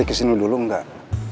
kangus pasti kesini dulu enggak